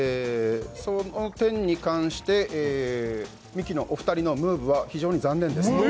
その点に関して、ミキのお二人のムーブは非常に残念です。